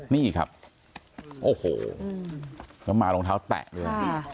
นี่ครับโอ้โหแล้วมารองเท้าแตะด้วย